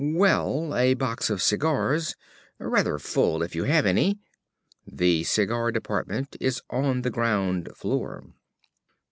"Well, a box of cigars. Rather full, and if you have any " "The Cigar Department is on the ground floor."